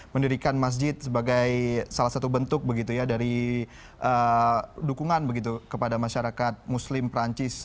mendirikan masjid sebagai salah satu bentuk begitu ya dari dukungan begitu kepada masyarakat muslim perancis